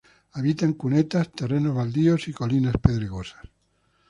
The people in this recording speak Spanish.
Habita en cunetas, terrenos baldíos, colinas pedregosas.